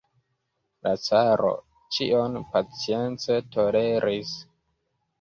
La caro ĉion pacience toleris.